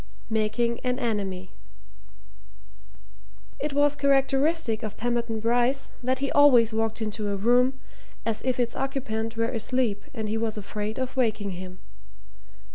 MAKING AN ENEMY It was characteristic of Pemberton Bryce that he always walked into a room as if its occupant were asleep and he was afraid of waking him.